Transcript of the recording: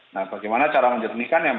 nah bagaimana cara menjernihkan